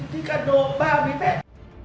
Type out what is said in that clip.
thích ăn đồ ba mươi mét